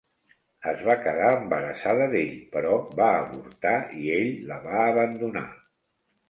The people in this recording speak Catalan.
Es va quedar embarassada d'ell, però va avortar i ell la va abandonar.